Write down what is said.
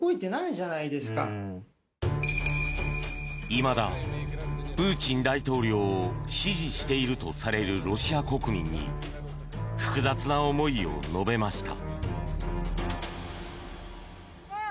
いまだプーチン大統領を支持しているとされるロシア国民に複雑な思いを述べました。